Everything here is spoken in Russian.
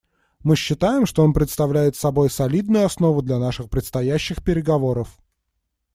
Мы считаем, что он представляет собой солидную основу для наших предстоящих переговоров.